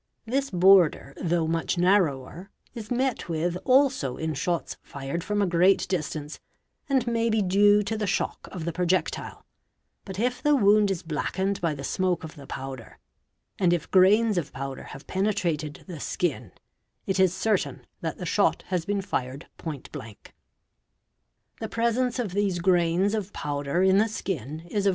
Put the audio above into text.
§ This border, though much narrower, is met with also in shots fired from a great distance, and may be due to the shock of the projectile; but if _ the wound is blackened by the smoke of the powder and if grains of : powder have penetrated the skin, it is certain that the shot has been fired point blank. The presence of these grains of powder in the skin is of